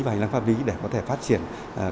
và hành lang pháp lý để có thể phát triển